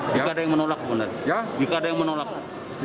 jika ada yang menolak ya tentunya ada sanksi